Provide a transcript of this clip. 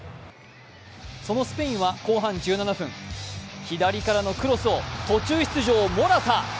そのスペインは後半１７分、左からのクロスを途中出場、モラタ。